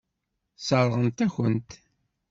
Sseṛɣent-akent-t.